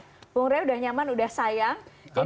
punggung rai sudah nyaman sudah sayang